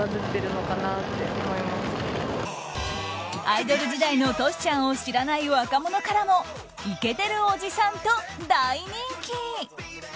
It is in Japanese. アイドル時代のトシちゃんを知らない若者からもイケてるおじさんと大人気！